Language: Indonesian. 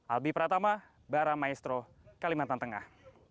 albi pratama baramaestro kalimantan tengah